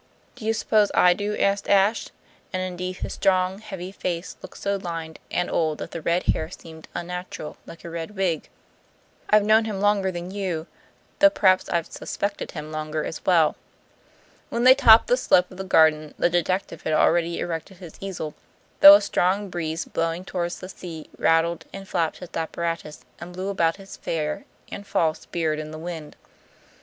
"Do you suppose I do?" asked Ashe; and, indeed, his strong, heavy face looked so lined and old that the red hair seemed unnatural, like a red wig. "I've known him longer than you, though perhaps I've suspected him longer as well." When they topped the slope of the garden the detective had already erected his easel, though a strong breeze blowing toward the sea rattled and flapped his apparatus and blew about his fair (and false) beard in the wind.